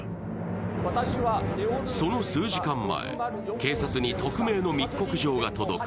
その数時間前、警察に匿名の密告状が届く。